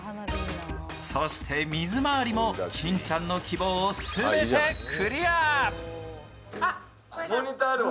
そして水回りも金ちゃんの希望を全てクリア。